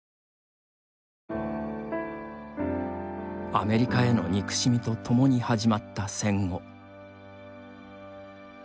アメリカへの憎しみとともに始まった戦後。